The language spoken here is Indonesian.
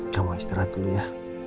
kamu istirahat dulu ya